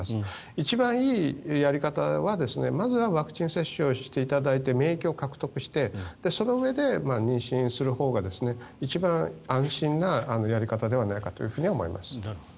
一番いいやり方は、まずはワクチン接種をしていただいて免疫を獲得してそのうえで妊娠するほうが一番安心なやり方だと思います。